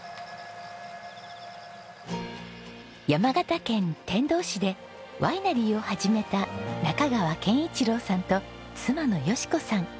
山形県天童市でワイナリーを始めた中川憲一郎さんと妻の淑子さん。